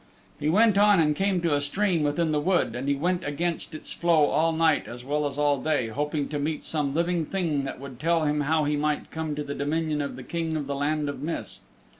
He went on and came to a stream within the wood and he went against its flow all night as well as all day, hoping to meet some living thing that would tell him how he might come to the dominion of the King of the Land of Mist.